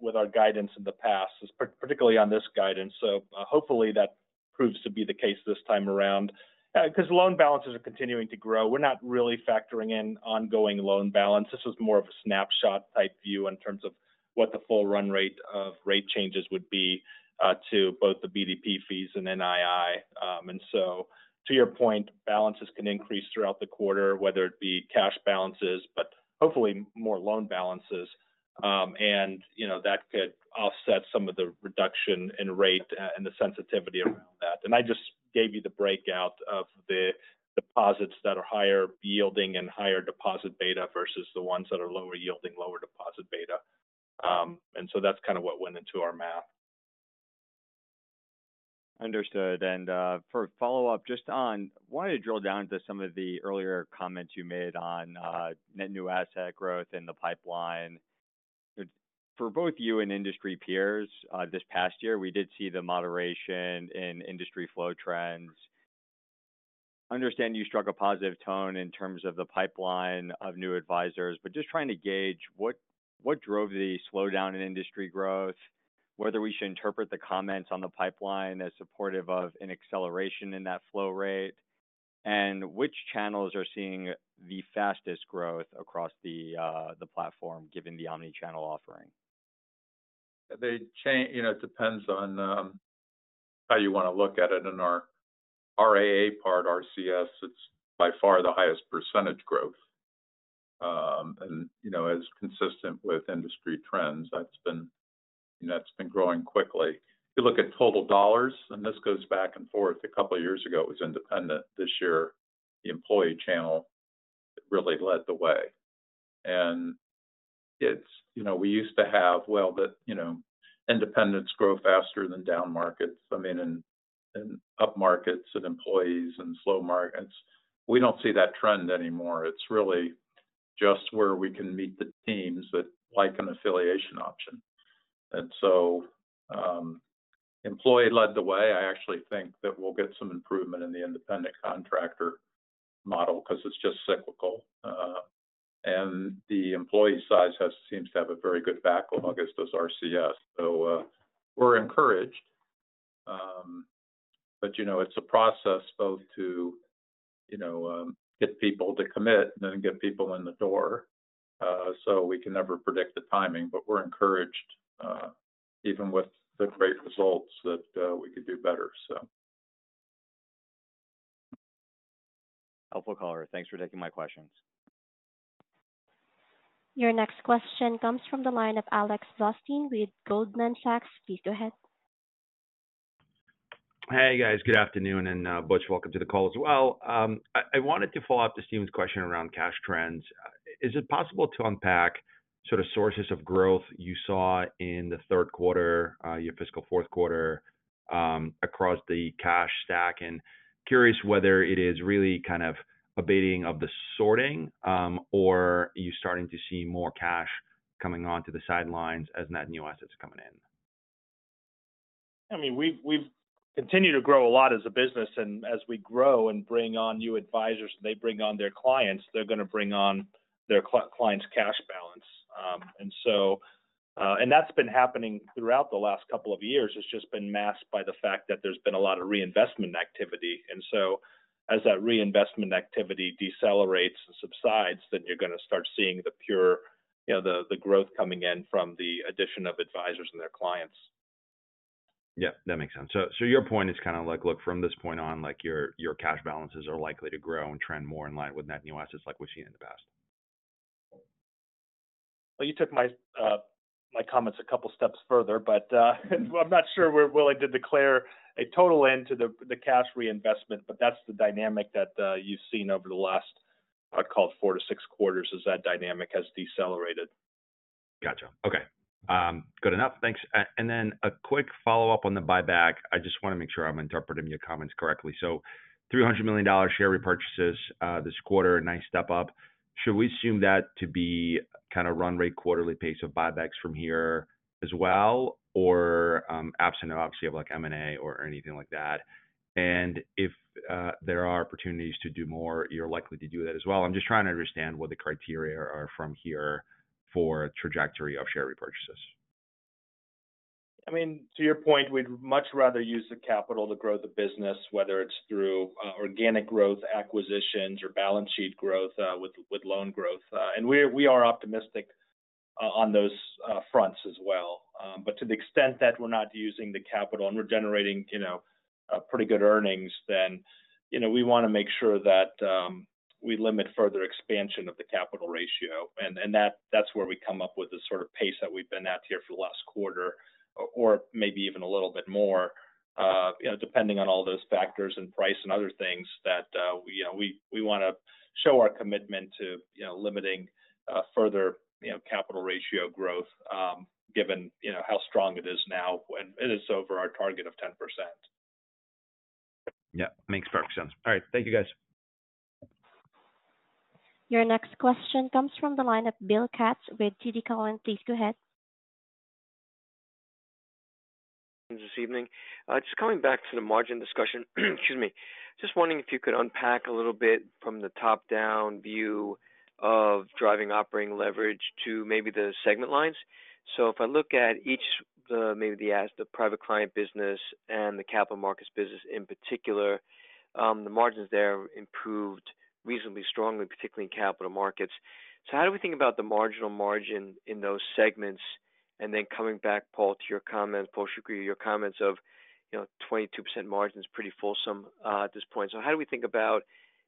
with our guidance in the past, particularly on this guidance. So hopefully that proves to be the case this time around. Because loan balances are continuing to grow, we're not really factoring in ongoing loan balance. This was more of a snapshot type view in terms of what the full run rate of rate changes would be to both the BDP fees and NII. And so to your point, balances can increase throughout the quarter, whether it be cash balances, but hopefully more loan balances. And, you know, that could offset some of the reduction in rate and the sensitivity around that. And I just gave you the breakout of the deposits that are higher yielding and higher deposit beta versus the ones that are lower yielding, lower deposit beta. And so that's kind of what went into our math. Understood. And for a follow-up, just on, wanted to drill down to some of the earlier comments you made on net new asset growth in the pipeline. For both you and industry peers, this past year, we did see the moderation in industry flow trends. Understand you struck a positive tone in terms of the pipeline of new advisors, but just trying to gauge what drove the slowdown in industry growth, whether we should interpret the comments on the pipeline as supportive of an acceleration in that flow rate, and which channels are seeing the fastest growth across the platform, given the omnichannel offering? You know, it depends on how you want to look at it. In our RIA part, RCS, it is by far the highest percentage growth. And, you know, as consistent with industry trends, that has been, you know, it has been growing quickly. If you look at total dollars, and this goes back and forth, a couple of years ago, it was independent. This year, the employee channel really led the way. And it is, you know, we used to have, well, but, you know, independents grow faster than down markets. I mean, in up markets and employees and slow markets, we do not see that trend anymore. It is really just where we can meet the teams that like an affiliation option. And so, employee led the way. I actually think that we'll get some improvement in the independent contractor model because it's just cyclical, and the employee side seems to have a very good backlog, as does RCS, so we're encouraged, but you know, it's a process both to you know get people to commit and then get people in the door, so we can never predict the timing, but we're encouraged even with the great results that we could do better, so. Helpful caller. Thanks for taking my questions. Your next question comes from the line of Alex Blostein with Goldman Sachs. Please go ahead. Hey, guys. Good afternoon, and, Butch, welcome to the call as well. I wanted to follow up to Steven's question around cash trends. Is it possible to unpack sort of sources of growth you saw in the third quarter, your fiscal fourth quarter, across the cash stack? And curious whether it is really kind of abating of the sorting, or are you starting to see more cash coming onto the sidelines as net new assets coming in? I mean, we've continued to grow a lot as a business, and as we grow and bring on new advisors, they bring on their clients, they're going to bring on their client's cash balance. And that's been happening throughout the last couple of years. It's just been masked by the fact that there's been a lot of reinvestment activity. And so as that reinvestment activity decelerates and subsides, then you're going to start seeing the pure, you know, the growth coming in from the addition of advisors and their clients. Yeah, that makes sense. So your point is kind of like, look, from this point on, like, your cash balances are likely to grow and trend more in line with net new assets like we've seen in the past? ... Well, you took my comments a couple steps further, but I'm not sure we're willing to declare a total end to the cash reinvestment, but that's the dynamic that you've seen over the last. I'd call it four to six quarters, is that dynamic has decelerated. Gotcha. Okay. Good enough. Thanks. And then a quick follow-up on the buyback. I just wanna make sure I'm interpreting your comments correctly. So $300 million share repurchases this quarter, a nice step up. Should we assume that to be kinda run rate quarterly pace of buybacks from here as well? Or, absent, obviously, of, like, M&A or anything like that. And if there are opportunities to do more, you're likely to do that as well. I'm just trying to understand what the criteria are from here for trajectory of share repurchases. I mean, to your point, we'd much rather use the capital to grow the business, whether it's through organic growth acquisitions or balance sheet growth with loan growth, and we are optimistic on those fronts as well, but to the extent that we're not using the capital and we're generating, you know, pretty good earnings, then, you know, we wanna make sure that we limit further expansion of the capital ratio. And that's where we come up with the sort of pace that we've been at here for the last quarter, or maybe even a little bit more, you know, depending on all those factors and price and other things that we, you know, wanna show our commitment to, you know, limiting further, you know, capital ratio growth, given, you know, how strong it is now, and it is over our target of 10%. Yeah, makes perfect sense. All right. Thank you, guys. Your next question comes from the line of Bill Katz with TD Cowen. Please go ahead. This evening. Just coming back to the margin discussion. Excuse me. Just wondering if you could unpack a little bit from the top-down view of driving operating leverage to maybe the segment lines. So if I look at each, maybe the private client business and the capital markets business in particular, the margins there improved reasonably strongly, particularly in capital markets. So how do we think about the marginal margin in those segments? And then coming back, Paul, to your comments, Paul Shoukry, your comments of, you know, 22% margin is pretty fulsome at this point. So how do we think about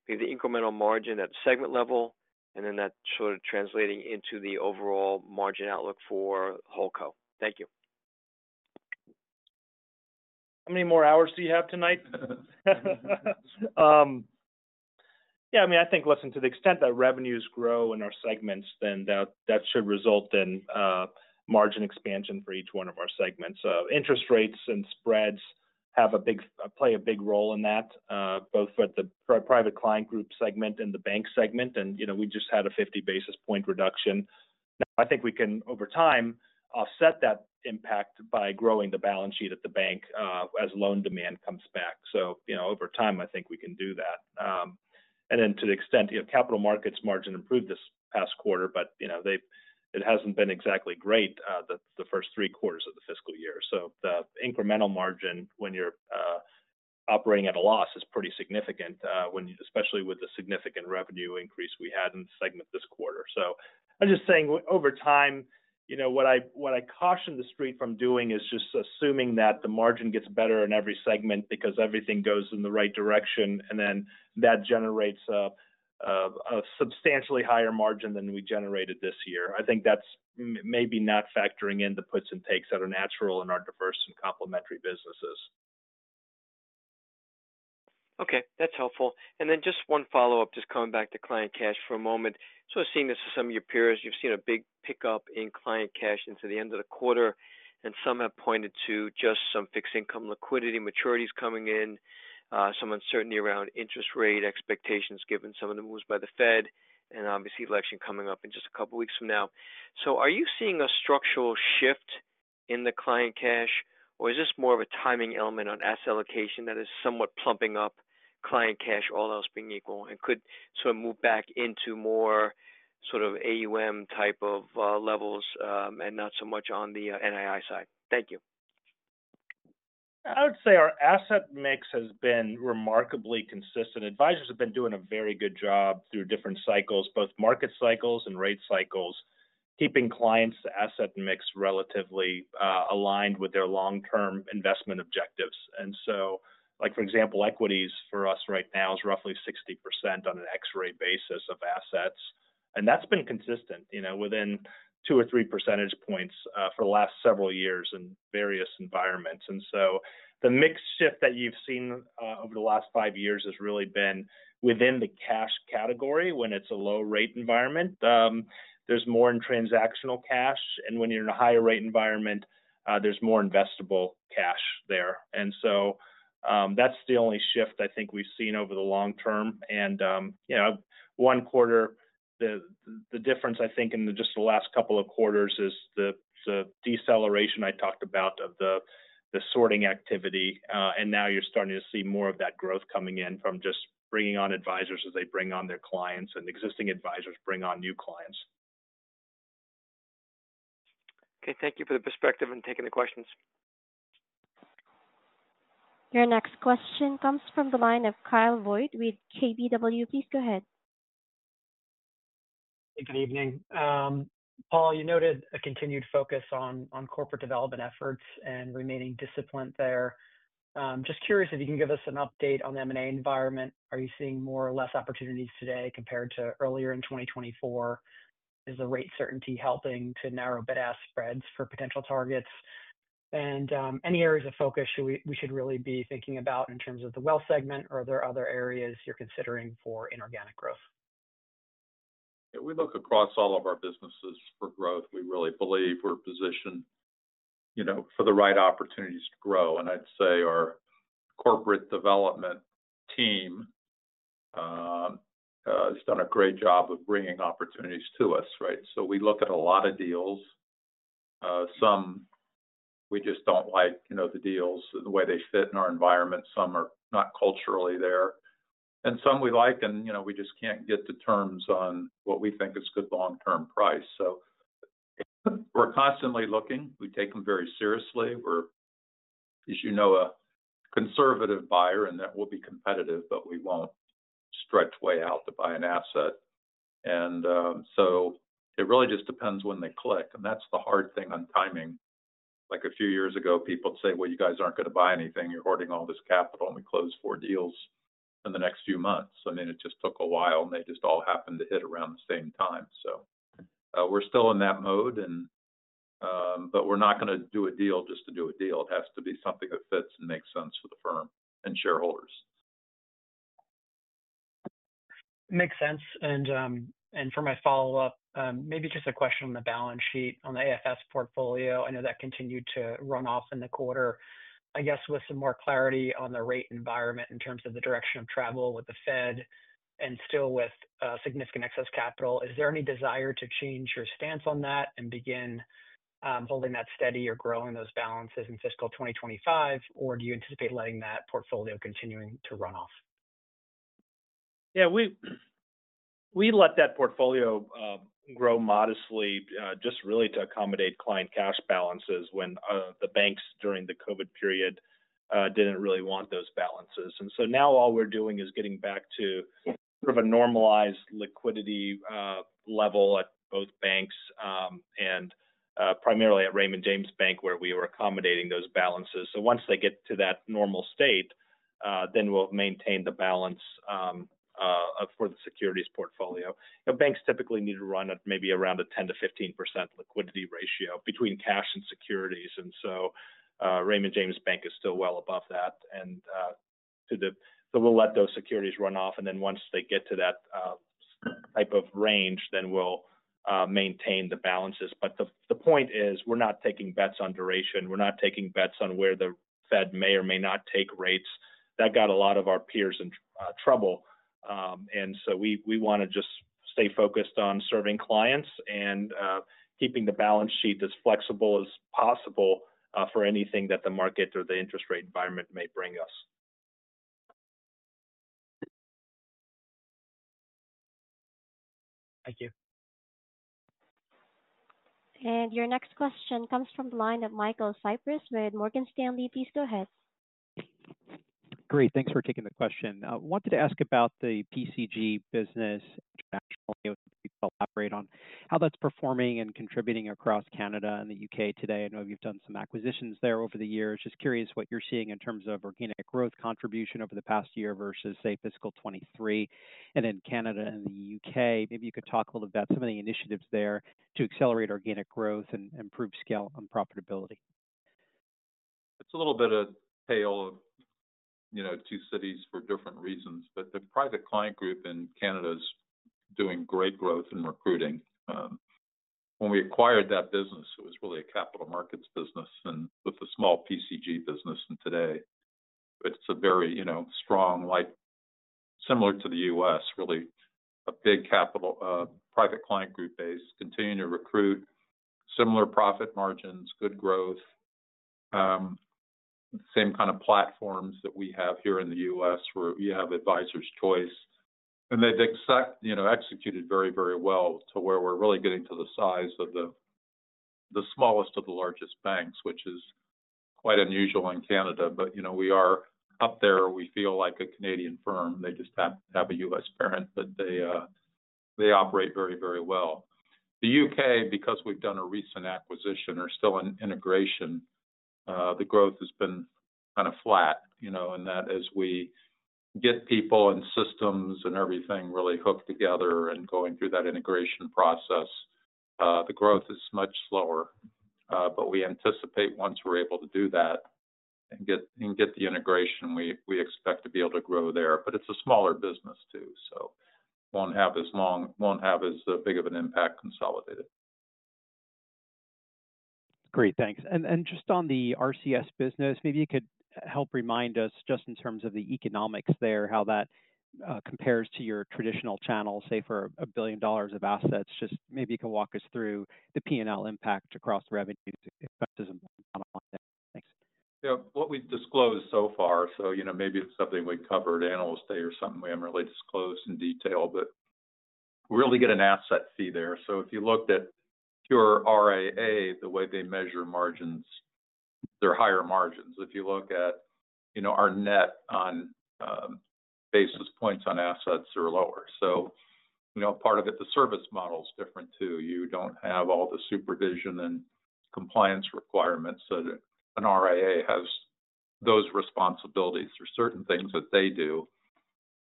the incremental margin at the segment level, and then that sort of translating into the overall margin outlook for HoldCo? Thank you. How many more hours do you have tonight? Yeah, I mean, I think, listen, to the extent that revenues grow in our segments, then that should result in margin expansion for each one of our segments. Interest rates and spreads play a big role in that, both for the Private Client Group segment and the Bank segment, and, you know, we just had a 50 basis point reduction. Now, I think we can, over time, offset that impact by growing the balance sheet at the bank, as loan demand comes back. So, you know, over time, I think we can do that. And then to the extent, you know, Capital Markets margin improved this past quarter, but, you know, they've it hasn't been exactly great, the first three quarters of the fiscal year. So the incremental margin when you're operating at a loss is pretty significant, when especially with the significant revenue increase we had in the segment this quarter. So I'm just saying, over time, you know, what I caution the Street from doing is just assuming that the margin gets better in every segment because everything goes in the right direction, and then that generates a substantially higher margin than we generated this year. I think that's maybe not factoring in the puts and takes that are natural in our diverse and complementary businesses. Okay, that's helpful. And then just one follow-up, just coming back to client cash for a moment. So I've seen this in some of your peers. You've seen a big pickup in client cash into the end of the quarter, and some have pointed to just some fixed income liquidity, maturities coming in, some uncertainty around interest rate expectations, given some of the moves by the Fed, and obviously, election coming up in just a couple of weeks from now. So are you seeing a structural shift in the client cash, or is this more of a timing element on asset allocation that is somewhat plumping up client cash, all else being equal, and could sort of move back into more sort of AUM type of levels, and not so much on the NII side? Thank you. I would say our asset mix has been remarkably consistent. Advisors have been doing a very good job through different cycles, both market cycles and rate cycles, keeping clients' asset mix relatively aligned with their long-term investment objectives. And so, like, for example, equities for us right now is roughly 60% on an X-ray basis of assets, and that's been consistent, you know, within 2 or 3 percentage points, for the last several years in various environments. And so the mix shift that you've seen, over the last 5 years has really been within the cash category when it's a low-rate environment. There's more in transactional cash, and when you're in a higher rate environment, there's more investable cash there. And so, that's the only shift I think we've seen over the long term. You know, one quarter, the difference, I think, in just the last couple of quarters is the deceleration I talked about of the sorting activity, and now you're starting to see more of that growth coming in from just bringing on advisors as they bring on their clients and existing advisors bring on new clients. Okay. Thank you for the perspective and taking the questions. Your next question comes from the line of Kyle Voigt with KBW. Please go ahead. Good evening. Paul, you noted a continued focus on corporate development efforts and remaining disciplined there. Just curious if you can give us an update on the M&A environment. Are you seeing more or less opportunities today compared to earlier in 2024? Is the rate certainty helping to narrow bid-ask spreads for potential targets? And, any areas of focus we should really be thinking about in terms of the wealth segment, or are there other areas you're considering for inorganic growth? Yeah, we look across all of our businesses for growth. We really believe we're positioned, you know, for the right opportunities to grow. And I'd say our corporate development team has done a great job of bringing opportunities to us, right? So we look at a lot of deals. Some we just don't like, you know, the deals, the way they fit in our environment, some are not culturally there. And some we like and, you know, we just can't get the terms on what we think is good long-term price. So we're constantly looking. We take them very seriously. We're, as you know, a conservative buyer, and that we'll be competitive, but we won't stretch way out to buy an asset. And so it really just depends when they click, and that's the hard thing on timing. Like, a few years ago, people would say, "Well, you guys aren't going to buy anything. You're hoarding all this capital," and we closed four deals in the next few months. I mean, it just took a while, and they just all happened to hit around the same time. So, we're still in that mode and, but we're not going to do a deal just to do a deal. It has to be something that fits and makes sense for the firm and shareholders. Makes sense. And, and for my follow-up, maybe just a question on the balance sheet. On the AFS portfolio, I know that continued to run off in the quarter. I guess with some more clarity on the rate environment in terms of the direction of travel with the Fed and still with, significant excess capital, is there any desire to change your stance on that and begin, holding that steady or growing those balances in fiscal 2025? Or do you anticipate letting that portfolio continuing to run off? Yeah, we let that portfolio grow modestly, just really to accommodate client cash balances when the banks, during the COVID period, didn't really want those balances. And so now all we're doing is getting back to sort of a normalized liquidity level at both banks, and primarily at Raymond James Bank, where we were accommodating those balances. So once they get to that normal state, then we'll maintain the balance for the securities portfolio. You know, banks typically need to run at maybe around a 10%-15% liquidity ratio between cash and securities, and so Raymond James Bank is still well above that. And so we'll let those securities run off, and then once they get to that type of range, then we'll maintain the balances. But the point is, we're not taking bets on duration. We're not taking bets on where the Fed may or may not take rates. That got a lot of our peers in trouble. And so we want to just stay focused on serving clients and keeping the balance sheet as flexible as possible for anything that the market or the interest rate environment may bring us. Thank you. Your next question comes from the line of Michael Cyprys with Morgan Stanley. Please go ahead. Great. Thanks for taking the question. Wanted to ask about the PCG business internationally, if you could elaborate on how that's performing and contributing across Canada and the U.K. today. I know you've done some acquisitions there over the years. Just curious what you're seeing in terms of organic growth contribution over the past year versus, say, fiscal 2023, and in Canada and the U.K., maybe you could talk a little about some of the initiatives there to accelerate organic growth and improve scale and profitability. It's a little bit of a tale of, you know, two cities for different reasons, but the private client group in Canada is doing great growth in recruiting. When we acquired that business, it was really a capital markets business, and with the small PCG business, and today it's a very, you know, strong, like similar to the U.S., really. A big capital, private client group base, continuing to recruit, similar profit margins, good growth. Same kind of platforms that we have here in the U.S., where we have Advisor’s Choice, and they've, you know, executed very, very well to where we're really getting to the size of the, the smallest of the largest banks, which is quite unusual in Canada. But, you know, we are up there. We feel like a Canadian firm. They just have a U.S. parent, but they operate very, very well. The U.K., because we've done a recent acquisition, are still in integration. The growth has been kind of flat, you know, and that as we get people and systems and everything really hooked together and going through that integration process, the growth is much slower. But we anticipate once we're able to do that and get the integration, we expect to be able to grow there. But it's a smaller business too, so won't have as big of an impact consolidated. Great, thanks. And just on the RCS business, maybe you could help remind us, just in terms of the economics there, how that compares to your traditional channel, say, for $1 billion of assets. Just maybe you could walk us through the PNL impact across revenues, expenses, and- Yeah. What we've disclosed so far, so, you know, maybe it's something we'd cover at analyst day or something. We haven't really disclosed in detail, but we really get an asset fee there. So if you looked at pure RAA, the way they measure margins, they're higher margins. If you look at, you know, our net basis points on assets are lower. So, you know, part of it, the service model is different, too. You don't have all the supervision and compliance requirements that an RIAA has. Those responsibilities, there's certain things that they do.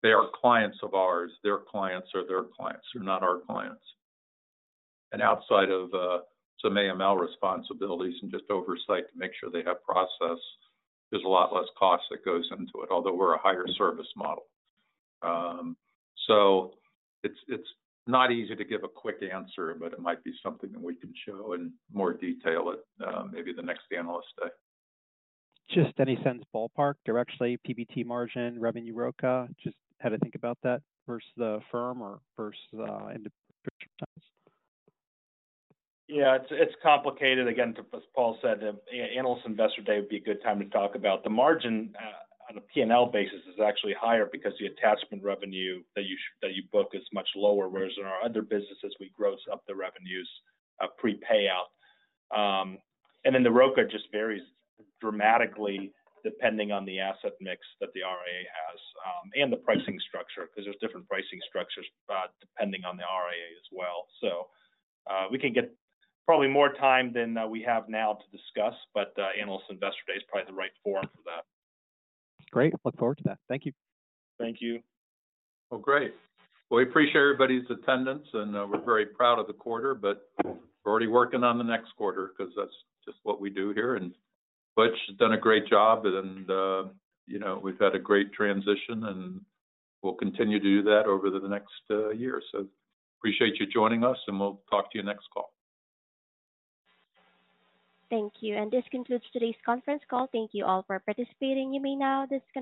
They are clients of ours. Their clients are their clients, they're not our clients. And outside of some AML responsibilities and just oversight to make sure they have process, there's a lot less cost that goes into it, although we're a higher service model. So it's not easy to give a quick answer, but it might be something that we can show in more detail at maybe the next Analyst Day. Just any sense, ballpark, directionally, PBT margin, revenue, ROCA, just how to think about that versus the firm or versus individual times? Yeah, it's, it's complicated. Again, as Paul said, the Analyst Investor Day would be a good time to talk about. The margin on a P&L basis is actually higher because the attachment revenue that you book is much lower, whereas in our other businesses, we gross up the revenues pre-payout. And then the ROCA just varies dramatically depending on the asset mix that the RIA has, and the pricing structure, because there's different pricing structures depending on the RIA as well. So, we can get probably more time than we have now to discuss, but Analyst Investor Day is probably the right forum for that. Great. Look forward to that. Thank you. Thank you. Well, great. Well, we appreciate everybody's attendance, and we're very proud of the quarter, but we're already working on the next quarter because that's just what we do here. And Butch has done a great job and, you know, we've had a great transition, and we'll continue to do that over the next year. So appreciate you joining us, and we'll talk to you next call. Thank you, and this concludes today's conference call. Thank you all for participating. You may now disconnect.